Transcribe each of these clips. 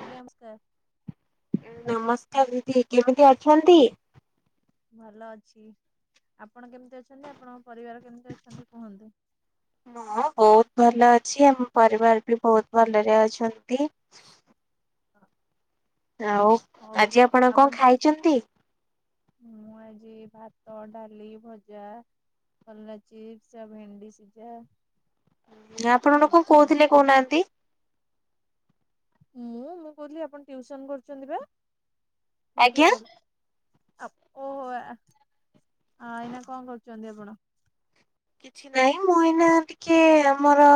ଆଜ୍ଞା ନମସ୍କାର। ନମସ୍କାର ଦିଦି କେମିତି ଅଛନ୍ତି? ଭଲ ଅଛି ଆପଣ କେମିତି ଅଛନ୍ତି? ଆପଣଙ୍କ ପରିବାର କେମିତି ଅଛନ୍ତି କୁହନ୍ତୁ? ହଁ ବହୁତ ଭଲ ଅଛି ଆମ ପରିବାର ବି ବହୁତ ଭଲରେ ଅଛନ୍ତି। ହ ଆଉ ଆଜି ଆପଣ କଣ ଟିକେ ଖାଇଛନ୍ତି? ମୁଁ ଆଜି ଭାତ ଡାଲି ଭଜା କଲରା ଚିପ୍ସ ଆଉ ଭେଣ୍ଡି ସିଝା ଆପଣ ଲୋ କଣ ଖାଇଛି ଆଉ। କହୁଥିଲେ କହୁନାହାନ୍ତି? ମୁଁ ମୁଁ କହୁଥିଲି ଆପଣ ଟିଉସନ କରୁଛନ୍ତି ବା? ନା କିଏ ଆଜ୍ଞା କରୁ ଅପୋ ଆ ଏଇନା କଣ କରୁଛନ୍ତି ଆପଣ? କିଛି ନାହିଁ ମୁଁ ଏଇନା ଟିକେ ଆମର।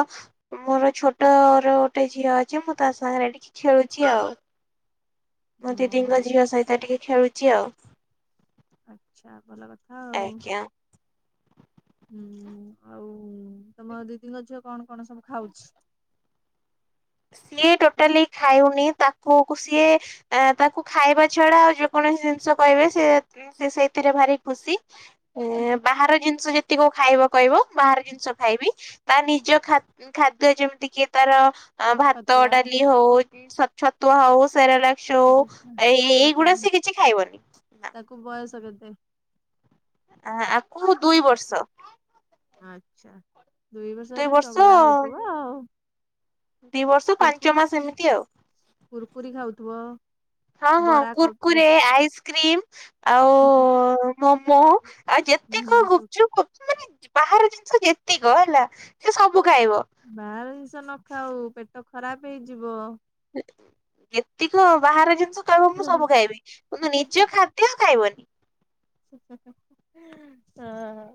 ମୋର ଛୋଟର ଗୋଟେ ଝିଅ ଅଛି ମୁଁ ତା ସାଙ୍ଗରେ ଟିକେ ଖେଳୁଛି ଆଉ। ଓ ମୋ ଦିଦିଙ୍କ ହଉ ଝିଅ ସହିତ ଟିକେ ଖେଳୁଛି ଆଉ। ଆଚ୍ଛା ଭଲ କଥା ଆଉ। ଆଜ୍ଞା। ହୁଁ ଆଉ ତମ ଦିଦଙ୍କ ଝିଅ କଣ କଣ ସବୁ ଖାଉଛି। ସିଏ ଟୋଟାଲି ଖାଉନି ତାକୁ ସିଏ। ଆ ତାକୁ ଖାଇବା ଛଡା ଆଉ ଯେ କୌଣସି ଜିନିଷ କହିବେ ସେ। ସେ ସେଇଥିରେ ଭାରି ଖୁସି ଏ ବାହାର ଜିନିଷ ଯେ। ଖାଇବ କହିବ ବାହାର ଜିନିଷ ଖାଇବି ତା ନିଜ ଖା। ଖାଦ୍ୟ ଯେମିତି କିି ତାର ଭାତ ଛତୁଆ ଡାଲି ହଉ ଛତୁଆ ହଉ ସେରେଲାକ୍। ସେଓ ସେରା ଏଇଗୁଡା ଖାଇବନି ସିଏ କିଛି ଖାଇବନି। ତାକୁ ବୟସ କେତେ। ଆ ଆକୁ ଦୁଇ ବର୍ଷ। ଆଚ୍ଛା। ଦୁଇ ବର୍ଷ ଏଇନା ଚଗଲା ହଉଥିବ ଆଉ ଦି ବର୍ଷ ପାଞ୍ଚ କରୁକୁର୍। ମାସ ଏମିତି ଆଉ କୁୁର୍କରେ ଖାଉଥିବା। ହଁ ହଁ କୁର୍କୁରେ ଆଇସ୍କ୍ରିମ୍ ଆଉ ହୁଁ ହୁଁ ମୋମୋ। ଆଉ ଯେତିକ ଏଗୁଡା ସବୁ ଗୁପ୍ ଚୁପ୍ ମାନେ ବାହାର ଜିନିଷ ଯେତିକ ହେଲା ସେ ସବୁ ଖାଇବ। ବାହାର ଜିନିଷ ନ ଖାଉ ପେଟ ଖରାପ ହେଇଯିବ। ଏତିକ ବାହାର ଜିନିଷ କହିବ ମୁଁ ହଁ ସବୁ ଖାଇବି କିନ୍ତୁ ନିଜ ଖାଦ୍ୟ। ସେତିକଖାଇବନି। ହୁ ହୁଉଁ ହ।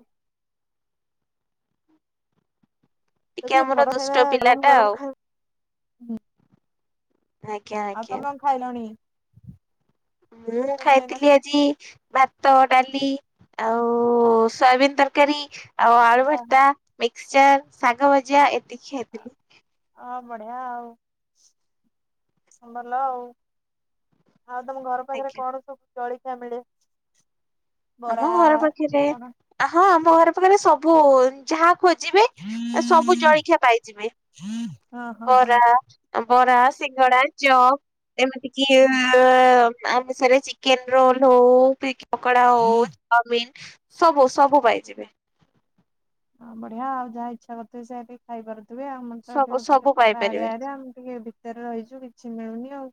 ଟିକେ ଯେତିକି ଆମର ଘର ଖାଇବା ଦୁଷ୍ଟ ପିଲା ଗରମ୍ ଟା ଗରମ୍ ଆଉ ଖାଇବୁ ହୁଁ। ଆଜ୍ଞା ଆଉ ଆଜ୍ଞା। ତମେ ଖାଇଲଣି। ମୁଁ ତମେ ଏଇନା ଖାଇଥିଲି ଆଜି। ଭାତ ଡାଲି ଆଉ ସୟାବିିନ୍ ତରକାରୀ ଆଉ ଆଳୁ ହଁ ହଁ ଭର୍ତା। ମିକ୍ସଚର୍ ଶାଗ ଭଜା ଏତିକି ଖିଆଇଥିଲି। ହଁ ବଢିଆ ଆଉ। ହଁ ଭଲ ଆଉ ଆଉ ତମ ଘର। ଘର ପାଖରେ ଆଜ୍ଞା କଣ ସବୁ ଜଳଖିଆ ମିଳେ ଆମ ବରା ଘର ଏଇ ପାଖରେ କଣ। ହଁ ଆମ ଘର ପାଖରେ ସବୁ ଯାହା। ଖୋଜିବେ ସବୁ ଜଳଖିଆ ପାଇଯିବେ ହଁ ହଁ ହଁ। ବରା। ବରା ସିଙ୍ଗଡା ଚପ୍ ଏମିତି କିି ଇ ଇ। ଆମ ସରେ ଚିକେନ୍ ରୋଲ ହଉ ପିକ୍ ପକୋଡା ହଉ। ଚାଉମିନ୍ ସବୁ ସବୁ ପାଇଯିବେ। ହଁ ବଢିଆ ଆଉ ଯାହା ଇଚ୍ଛା କରିଥିବେ ସେୟ। ଖାଇପାରୁଥିବେ ଆମର ତ ସବୁ ଏଠିେ ସବୁ ଟିକେ ପାହା ପାଇପାରିବେ। ଡିଆଏରିଆ ଆମେ ଟିକେ ଭିତରେ ରହିଛୁ କିଛି ମିଳୁନି ଆଉ।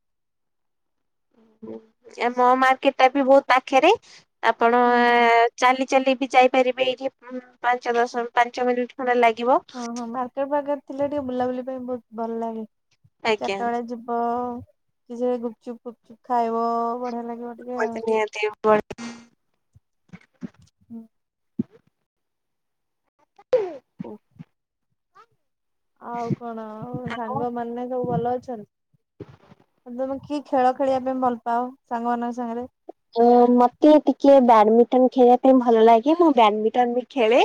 ଆ ମୋ ମାର୍କଟେ ଟା ବି ବହୁତ୍ ପାଖରେ ଆପଣ। ହୁଁ ହୁଁ। ଚାଲି ଚାଲି ବି ଯାଇପାରିବେ ଏଇଠି ପାଞ୍ଚ ଦଶ ପାଞ୍ଚ ମିନିଟ୍ ଖଣ୍ଡେ ଲାଗିବ। ହଁ ହଁ ମାର୍କେଟ୍ ଫାର୍କେଟ ଥିଲା ଟିକେ ବୁଲାବୁଲି ପାଇଁ ବହୁତ୍ ଭଲ ଲାଗେ। ଚାରିଟା ଆଜ୍ଞା ବେଳେ ଯିବ କିଛି ନାହିଁ ଗୁପଚୁପ ଫୁଚୁପ ଖାଇବ ବଢିଆ ଲାଗିବ। ଟିକେ ଆଉ। ପତ୍ ନିତି [unintelligible] ହୁଁ। ଆଉ କଣ ଆ ସାଙ୍ଗମାନେ ସବୁ ଭଲ ଅଛନ୍ତି ତମେ ଦିଜଣ କିଏକି। ଖେଳ ଖେଳିବା ପାଇଁ ଭଲ ପାଉ ସାଙ୍ଗମାନାନଙ୍କ ସାଙ୍ଗରେ। ଅ ମତେ ଟିକେ ବ୍ୟାଡମିଟନ ଖେଳିବା ପାଇଁ ଭଲ ଲାଗେ ମୁଁ ବ୍ୟାଡମିଣ୍ଟନ ବି ଖେଳେ।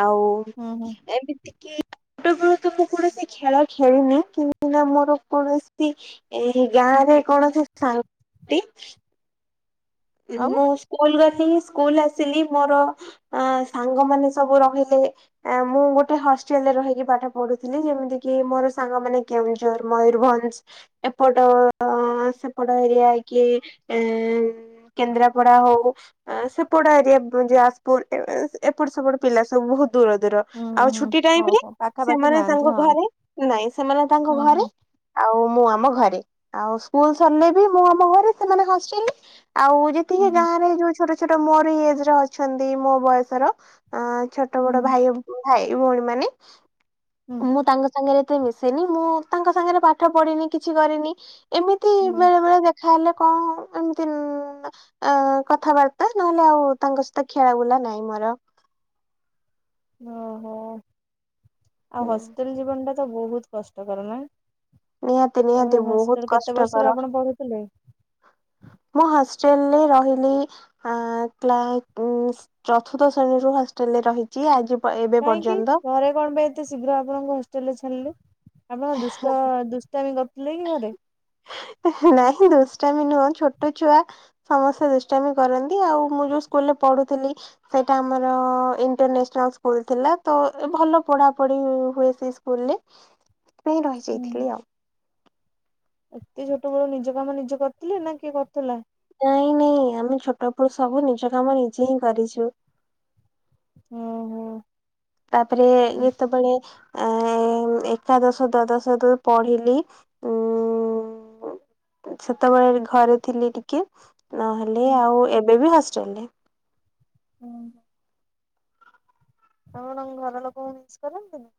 ଆଉ ହୁଁ ହୁଁ। ଏମିତି କି ଛଟବେଳୁ ତ ମୁଁ କୌଣସି ଖେଳା ଖେଳନି କିନା ମୋର କୌଣସି ଏଇ ଗାଁ ରେ କଣସି [unintelligible] ଆଉ ମୁଁ ସ୍କୁଲ ଗଲି ସ୍କୁଲ ଆସିଲି ମୋର ଅ ସାଙ୍ଗମାନୋନ ସବୁ ରହିଲେ ମୁଁ ଗୋଟେ ହଷ୍ଟେଲରେ ରହିକି ପାଠ ପଢୁଥିଲି ଯେମିତି କି ମୋର ସାଙ୍ଗ ମାନେ କେଉଝର ମୟୂରଭଞ୍ଜ ଏପଟ ସେପଟ ଏରିଆ କି ଏ କେନ୍ଦ୍ରାପଡା ହଉ ସେପଡା ଏରିଆ ଯାଜପୁର ଏପଟ ସେପଟ ପିଲା ସବୁ ବହୁତ ଦୂର ଦୂର। ହୁଁ ହୁଁ ଆଉ ହୁଁ ଛୁଟି ଟାଇମ ରେ ଓହୋ ପାଖାପାଖି ସେମାନେ ନାହାନ୍ତି ତାଙ୍କ ହଁ। ଘରେ ନାଇଁ ସେମାନେ ତାଙ୍କ ହୁଁ ହୁଁ ଘରେ ଆଉ ମୁଁ ଆମ ଘରେ ଆଉ ସ୍କୁଲ ସରିଲେ ବି ମୁଁ ଆମ ଘରେ ସେମାନେ ହଷ୍ଟେଲ ରେ। ଆଉ ହୁଁ ଯେତିକି ହୁଁ। ଗାଁ ରେ ଯୋଉ ଛୋଟ ଛୋଟ ମୋର ଏଜ ର ଅଛନ୍ତି ମୋ ବୟସର ଅ ଛୋଟ ବଡ ଭାଇ ଭାଇ ଭଉଣୀ ମାନେ ହୁଁ ମୁଁ ତାଙ୍କ ସାଙ୍ଗରେ ଏତେ ମିଶିନି ମୁଁ ତାଙ୍କ ସାଙ୍ଗରେ ପାଠ ପଢିନି କିଛି କରିନି ଏମିତି ହୁଁ ବେଳେ ବେଳେ ଖଲେ କଣ ଏମିତି କଥାବାର୍ତ୍ତା ନହେଲେ ଆଉ ତାଙ୍କ ସହିତ ଖେଳା ବୁଲା ନାହିଁ ମୋର। ଓହୋ ଆଉ ହୁଁ ହଷ୍ଟେଲ ଜୀବନ ଟା ତ ବହୁତ କଷ୍ଟକର ନା? ନିହାତି ନିହାତି ବହୁତ ହଷ୍ଟେଲ କେତେ କଷ୍ଟକର ବର୍ଷରୁ ଆପଣ ପଢୁଥିଲେ? ମୁଁ ହଷ୍ଟେଲରେ ରହିଲି ଆ କ୍ଲା ଉ ଚତୁର୍ଥ ଶ୍ରେଣୀ ର ହଷ୍ଟେଲରେ ରହି ଚି ଆଜି ଏବେ କାହିଁକି ପର୍ଯ୍ୟନ୍ତ। ଘରେ କଣ ପାଇଁ ଏତେ ଶୀଘ୍ର ଆପଣଙ୍କ ହଷ୍ଟେଲ ରେ ଛାଡ଼ିଲେ ଆପଣ ଦୁଷ୍ଟ ଦୁଷ୍ଟାମ କରୁଥିଲେ କି ଘରେ? ନାଇଁ ଦୁଷ୍ଟାମୀ ନୁହଁ ଛୋଟ ଛୁଆ ସମସ୍ତେ ଦୁଷ୍ଟାମି କରନ୍ତି। ଆଉ ମୁଁ ଯୋଉ ସ୍କୁଲରେ ପଢୁଥିଲି ସେଇଟା ଆମର ଇଣ୍ଟରନ୍ୟାସନାଲ ସ୍କୁଲ ଥିଲା ତ ଭଲ ପଢାପଢି ହୁଏ ସେ ସ୍କୁଲରେ ସେଥିପାଇଁ ହୁଁ। ରହିଯାଇଥିଲି ଆଉ। ଏତେ ଛୋଟ ବେଳୁ ନିଜ କାମ ନିଜେ କରିଥିଲେ ନା କିଏ କରୁଥିଲା? ନାଇଁ ନାଇଁ ଆମେ ଛୋଟ ପଳୁ ସବୁ ନିଜ କାମ ନିଜେ ହିଁ କରିଚୁ। ହୁଁ ହୁଁ। ତାପରେ ଯେତେବେଳେ ଏ ଏକାଦଶ ଦ୍ୱାଦଶ ଯେତେବେଳୁ ପଢ଼ିଲି ଉ ସେତେବେଳେ ଘରେ ଥିଲି ଟିକେ ନହେଲେ ହୁଁ। ଆଉ ଏବେ ବି ହଷ୍ଟେଲରେ। ହଁ ଆପଣ ଘର ଲୋକଙ୍କୁ ମିସ କରନ୍ତିନି?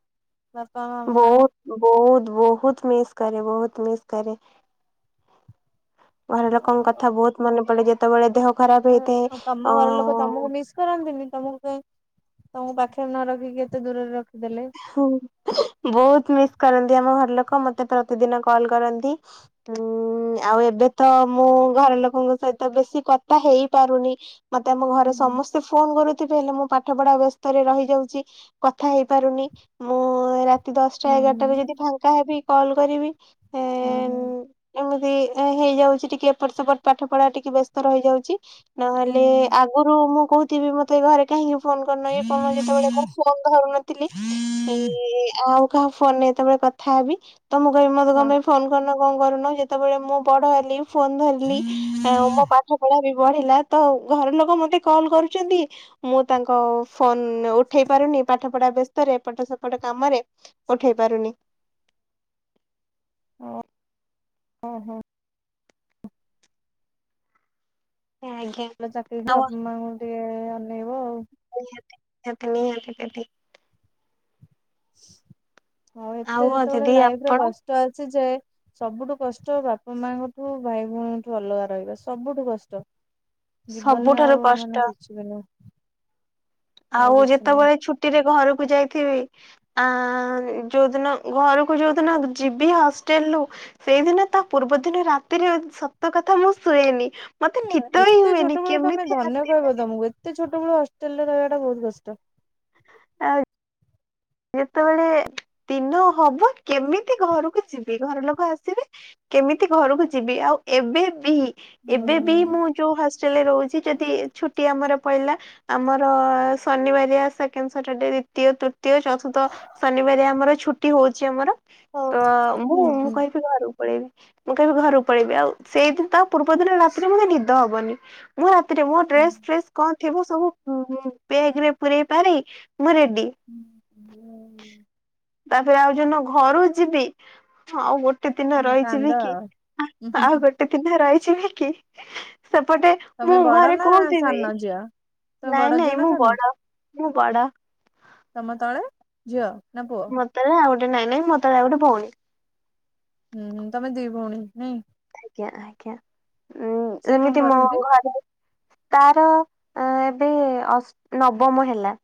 ବାପା ମାମା ବହୁତ ବହୁତ ବହୁତ ମିସ୍ କରେ ବହୁତ ମିସ୍ କରେ। ଘର ଲୋକଙ୍କ କଥା ବହୁତ ମନେ ପଡେ ଯେତେବେଳେ ଦେହ ଖରାପ ହେଇଥାଏ ଆଉ ତମ ଘର ଲୋକ ଅ ତମକୁ ମିସ୍ କରନ୍ତିନି ତମକୁ କାଇଁ ତମକୁ ପାଖରେ ନ ରଖିକି ଏତେ ଦୂରରେ ରଖିଦେଲେ? ହ ବହୁତ ମିସ୍ କରନ୍ତି ଆମ ଘର ଲୋକ ମତେ ପ୍ରତିଦିନ କଲ କରନ୍ତି। ହୁଁ ଆଉ ଏବେ ତ ମୁଁ ଘର ଲୋକଙ୍କ ସହିତ ବେଶୀ କଥା ହେଇ ପାରୁନି। ମତେ ଆମ ଘରେ ହୁଁ। ସମସ୍ତେ ଫୋନ କରୁଥିବେ ହେଲେ ମୁଁ ପା ପାଠ ପଢା ବ୍ୟସ୍ତରେ ରହିଯାଉଚି କଥା ହେଇପାରୁନି। ମୁଁ ରାତି ଦଶଟା ହୁଁ ଏଗାରଟାକୁ ଯଦି ଫାଙ୍କା ହେବି କଲ୍ କରିବି। ହୁଁ। ଏମିତି ଏ ହେଇଯାଉଛି ଟିକେ ଏପଟ ସେପଟ ପାଠ ପଢା ଟିକେ ବ୍ୟସ୍ତ ରହି ଯାଉଛି। ନହେଲେ ହୁଁ। ଆଗରୁ ମୁଁ କହୁଥିବି ମତେ ଘରେ କାହିଁକି ଫୋନ କରୁନ ଇଏ କରୁନ ଯେତେବେଳେ ମୁଁ ଫୋନ ଧରୁନଥିଲି ଏ ଆଉ କାହା ଫୋନ ରେ ଯେତେ ବେଳେ କଥା ହେବି। ତ ମୁଁ କହେ ମତେ ହଁ। ତମେ ଫୋନ କରୁନ କଁ କରୁନ ଯେତେବେଳେ ମୁଁ ବଡ ହେଲି। ଫୋନ୍ ଧରିଲି ଆଁ ମୋ ପାଠ ପଢା ବି ବଢିଲା ତ ଘର ଲୋକ ମତେ କଲ କରୁଛନ୍ତି ମୁଁ ତାଙ୍କ ଫୋନ ଉଠେଇ ପାରୁନି ପାଠ ପଢା ବ୍ୟସ୍ତରେ ଏପଟ ସେପଟ କାମରେ ଉଠେଇ ପାରୁନି। ଓ ହୋ। [unintelligible] ଭଲ ଚାକିରୀ କରି ଆଉ ବାପ ମାଙ୍କୁ ଟିକେ ଅନେଇବ ଆଉ। ନିହାତା ନିହାତି ନିହାତି ଦିଦି। ଆଉ ଏତେ ଯେତେବେଳେ ଦିଦି ଲାଇଫରେ ଆପଣ କଷ୍ଟ ଅଛି ଯେ। ସବୁଠୁ କଷ୍ଟ ବାପା ମାଙ୍କଠୁ ଭାଇ ଭଉଣୀଙ୍କଠୁ ଅଲଗା ରହିବା ସବୁଠୁ କଷ୍ଟ। ଜୀବନରେ ସବୁଠାରୁ ଆଉ କଷ୍ଟ ମାନେ କିଛି ବି ନୁହଁ। ଆଉ କିଛି ନାହିଁ। ଯେତେବେଳେ ଛୁଟି ରେ ଘରକୁ ଯାଇଥିବି। ଆ ଯୋଉଦିନ ଘରକୁ ଯୋଉଦିନ ଜିିବି ହାଷ୍ଟେଲ ରୁ। ସେଇଦିନ ତା ପୂର୍ବ ଦିନ ରାତିରେ ସତ କଥା ମୁଁ ଶୁଏନି। ମତେ ନିଦ ହିଁ ଏତେ ହୁଏନି ଛୋଟ ବେଳୁ ତମେ କେମିତି ଧନ୍ୟ ରାତି କହିବ ତମକୁ ଏତେ ଛୋଟ ବେଳୁ ହଷ୍ଟେଲ ରେ ରହିବା ଟା ବହୁତ କଷ୍ଟ। ଆଉ। ଯେତେବେଳେ ଦିନ ହବ କେମିତି ଘରକୁ ଯିବି ଘର ଲୋକ ଆସିବେ। କେମିତି ଘରକୁ ଯିବି ଆଉ ଏବେ ବି ହୁଁ ଏବେ ବି ମୁଁ। ଯୋଉ ହଷ୍ଟେଲରେ ରହୁଛି ଯଦି ଛୁଟି ଆମର ପଇଲା। ଆମର ଶନିବାରିଆ ସେକେଣ୍ଡ ସଟର ଡେ ଦ୍ଵିତୀୟ ତୃତୀୟ ଚତ ତୁର୍ଥ ଶନିବାରିଆ ଆମର ଛୁଟି ହଉଛି ଆମର ହଉ ତ ମୁଁ ହୁଁ ମୁଁ ହୁଁ। କହିବି ଘରୁ। କୁ ପଳେଇବ ମୁଁ କହିବି ଘରକୁ ପଳେଇବି ଆଉ ସେଇଦିନ ତା ପୂର୍ବ ଦିନ ରାତିରେ ମୋତେ ନିଦ ହବନି। ମୁଁ ରାତିରେ ମୋ ଡ୍ରେସ ଫ୍ରେସ। କଁ ଥିବୁ ସବୁ ଉଁ ବେଗ ରେ ପରେଇ ପାରେଇ ମୁଁ ରେଡି। ହୁଁ ହୁଁ। ତାପରେ ଆଉ ଜୋଉଦିନ ଘରୁ ଯିବି ଆଉ ଗୋଟ ଗୋଟେ ଦିନ ମୁଁ କାନ୍ଦ ରହିଯିବ କି ଆଉ ଗୋଟେ ଦିନ ରହିଯିବ କି। ସେପଟେ ତମେ ମୁଁ ବଡ ଘରେ ନା କହୁଥିବି ସାନ ଝିଅ ତମେ ନାଇଁ ବଡ ଝିଅ ନାଇଁ ନା ମୁଁ ସାନ ଝିଅ ବଡ। ମୁଁ ବଡ଼। ତମ ତଳେ ଝିଅ ନା ପୁଅ। ମୋ ତଳେ ଆଉ ଗୋଟେ ନାଇଁ ନାଇଁ ମୋ ତଳେ ଆଉ ଗୋଟେ ଭଉଣି‌। ହୁଁ ହୁଁ ତମେ ଦି ଭଉଣୀ ନାଇଁ‌। ଆଜ୍ଞା ଆଜ୍ଞା ଉଁ ସିଏ କଣ ଯେମିତି ମୋ କରନ୍ତି ଘରେ। ତାର ଏବେ ଅସ୍ ନବମ ହେଲା।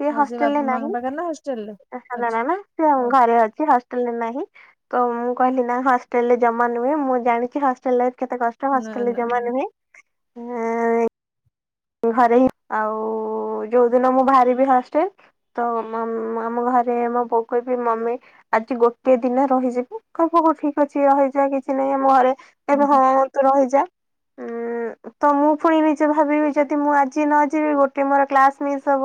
ସିଏ ହଉ ସେ ହଷ୍ଟେଲ ରେ ବାପା ନାହିଁ ମାଙ୍କ ପାଖରେ ନା ହଷ୍ଟେଲରେ ଏଁ ସାନ ଆଚ୍ଛା ଟା ନା ସିଏ ହଉ ଘରେ ଅଛି ହସ ଷ୍ଟେଲ ରେ ନାହିଁ ତ ମୁଁ କହିଲି ନା ହଷ୍ଟେଲରେ ଜମା ନୁହେଁ ମୁଁ ଜାଣିଛି ହଷ୍ଟେଲ୍ ଲାଇଫ୍ କେତେ କଷ୍ଟ। ଷ୍ଟ ନା ହଷ୍ଟେଲ ରେ ନା ଜମା ନା। ନୁହେଁ ଏଁ। ଘରେ ହିଁ ଆଉ ଯୋଉ ଦିନ ମୁଁ ବାହାରିବି ହଷ୍ଟେଲ। ତ ମ ମ୍ ଆମ ଘରେ ମୋ ବୋଉ କୁ କହିବି ମମି। ଆଜି ଗୋଟିଏ ଦିନ ରହିଯିବ କହିବ ହଉ ଠିକ୍ ଅଛି ରହିଯା କିଛି ନାହିଁ ଆମ ଘରେ। ହୁଁ କହିବ ହଁ ତୁ ରହିଯା ଉଁ ତ ମୁଁ ପୁଣି ନିଜେ ଭାବିବି। ଯଦି ମୁଁ ଆଜି ନ ଯିବି ଗୋଟେ ମୋର କ୍ଲାସ ମିସ ହବ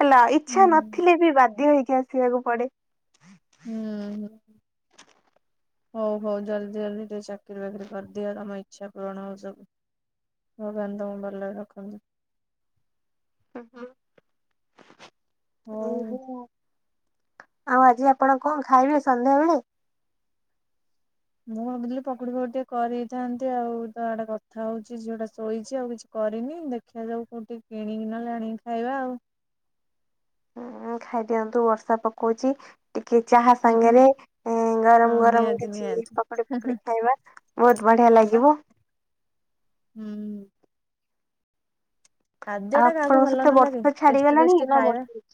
ହେଲା ଇଛା‌ ହୁଁ ନ ଥିଲେ ବି ବାଧ୍ୟ ହେଇକି ଆସିବାକୁ ପଡେ। ଅଁ, ହଁ। ହଉ ହଉ ଜଲଦି ଜଲଦି ଟିକେ ଚାକିରି ବାକିରି କରିଦିଅ, ତୋମ ଇଚ୍ଛା ପୂରଣ ହଉ ସବୁ ଭଗବାନ ତୋମକୁ ଭଲରେ ରଖନ୍ତୁ। ହଁ, ହଉ ହଁ [inaudible] ଆଉ ଆଜି ଆପଣ କଣ ଖାଇବେ ସନ୍ଧ୍ୟାବେଳେ? ମୁଁ ଭାବୁଥିଲି ପକୁଡି ଫକୁ ଟିକେ କରିଥାନ୍ତି ଆଉ ତ ଆଡେ କଥା ହଉଛି ଝିଅଟା ଶୋଇଛି ଆଉ କିଛି କରିନି। ଦେ ଖାଯାଉ କୋଉଠି କିଣିକି ନହେଲେ ଆଣିକି ଖାଇବା ଆଉ। ହଁ ଖାଇଦିଅନ୍ତୁ ବର୍ଷା ପକଉଛି। ଟିକେ ଚାହା ହୁଁ ହୁଁ ସାଙ୍ଗରେ ଏଁ, ହଁ ଗରମ ଗରମ ନିହାତି କିଛି ନିହାତି ପକୁଡି ଫକୁଡି ଖାଇବା। ବହୁତ ବଢିଆ ହଁ ବା ଲାଗିବ। ହୁଁ। ଖାଦ୍ୟ ଆଉ ଟା କାହାକୁ ଆପଣଙ୍କ ଭଲ ସେପଟେ ନ ଲାଗେ ବର୍ଷା ଟେଷ୍ଟି ଛାଡିଗଲାଣି ଟେଷ୍ଟି ନା ଖାଇବା। ବର୍ଷା ଅଛି?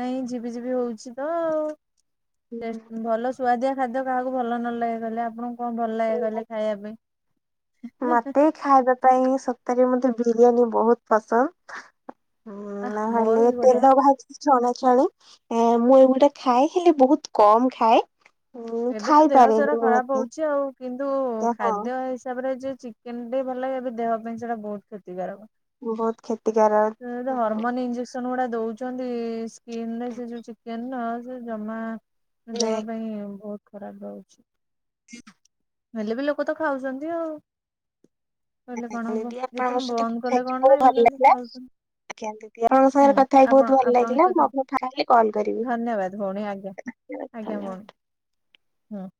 ନାଇଁ ଝିପି ଝିପି ହଉଛି ତ ଟେଷ୍ଟ ଭଲ ସୁ ସୁଆଦିଆ ଖାଦ୍ୟ କାହାକୁ ଭଲ ନ ଲଗେ କହିଲେ? ଆପଣଙ୍କୁ କଣ ଭଲ ଲାଗେ କହିଲେ ଖାଇବା ପାଇଁ? ମୋତେ ଖାଇବା ପାଇଁ ସତରେ ମୋତେ ବିରିୟାନୀ ବହୁତ ପସନ୍ଦ। ହଁ ଆ ମୋର ନହେଲେ ବି ବଢିଆ। ତେଲ ଭାଜ ଛଣାଛଣି ଆ, ମୁଁ ଏଗୁଡା ଖାଏ ହେଲେ ବହୁତ କମ ଖାଏ। ଉଁ ଏବେ ତ ଦେହ ସାରା ଖାଇପାରେନି ମୁଁ ଖରାପ ଏତେ ହଉଛି ଆଉ କିନ୍ତୁ ହଁ ଖାଦ୍ୟ ହିସାବରେ ଯେ ଚି କେନ୍ ଟିକେ ଭଲ ଲାଗେ ଏବେ ଦେହ ପାଇଁ ସେଟା ବହୁତ କ୍ଷତିକାରକ। ବହୁତ କ୍ଷତିକାର ସେ ତ ହର୍ମୋନ ଇଞଜେସ ସନ୍ ଉଡା ଦଉଛନ୍ତି ସ୍କିନ୍ ରେ ସେ ଯୋଉ ଚିକେନ୍ ରେ ସେ ଜମା ଦେହ ପାଇଁ ବହୁତ ଖରାପ ରହୁଛି। [unintelligible] ହେଲେ ବି ଲୋକ ତ ଖାଉଛନ୍ତି ଆଉ। କହିଲେ କଣ ହବ, ଯେତେଲ ଆପଣଙ୍କ ସହିତ ବନ୍ଦ କଥା କଲେ ହେଇକି କଣ ନା ବହୁତ ଏଇରା ଭଲ ଯଦି ଲାଗିଲା ଆଜ୍ଞା ଦିଦି ଆପଣଙ୍କ ଖାଉଛନ୍ତି। ସାଙ୍ଗରେ ହୁଁ, କଥା ହେଇକି ଆପଣ ବହୁତ ଭଲ ଆପଣଙ୍କ ଲାଗିଲା ମୁଁ ସହିତ ଆପଣଙ୍କୁ ଫାଙ୍କା ହେଲେ କଲ୍ କରିବି ଧନ୍ୟବାଦ ଭଉଣୀ ଆଜ୍ଞା। ଆଜ୍ଞା ଧନ୍ୟବାଦ। କ [unintelligible] ହଁ।